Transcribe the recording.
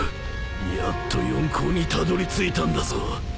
やっと四皇にたどりついたんだぞ